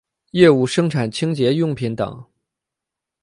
业务生产清洁用品等。